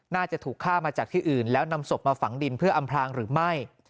น่าจะถูกฆ่ามาจากที่อื่นแล้วนำศพมาฝังดินเพื่ออำพลางหรือไม่